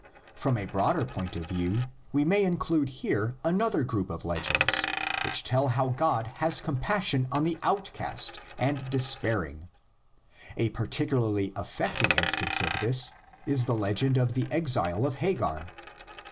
From a broader point of view we may include here another group of legends which tell how God has compassion on the outcast and despairing; a particularly affecting instance of this is the legend of the exile of Hagar (xxi.